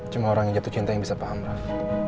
cuma orang yang jatuh cinta yang bisa paham lah